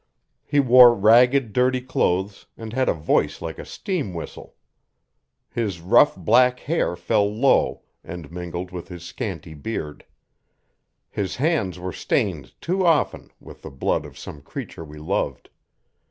He wore ragged, dirty clothes and had a voice like a steam whistle. His rough, black hair fell low and mingled with his scanty beard. His hands were stained too often with the blood of some creature we loved.